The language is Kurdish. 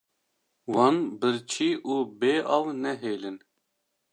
Wan birçî û bêav nehêlin.